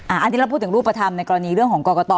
อันนี้เราพูดถึงรูปธรรมในกรณีเรื่องของกรกต